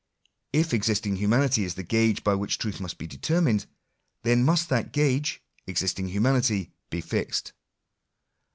If existing humanity is the gauge by which truth must be determined, then must that gauge — existing humanity — be fixed.